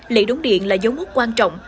lễ đống điện là dấu mốc quan trọng